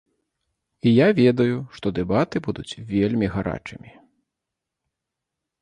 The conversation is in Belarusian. І я ведаю, што дэбаты будуць вельмі гарачымі.